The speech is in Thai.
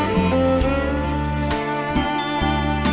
เวลา